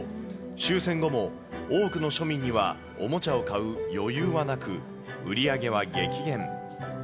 終戦後も多くの庶民にはおもちゃを買う余裕はなく、売り上げは激減。